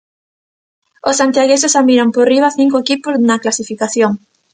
Os santiagueses xa miran por riba a cinco equipos na clasificación.